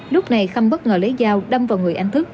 lúc này khâm bất ngờ lấy dao đâm vào người anh thức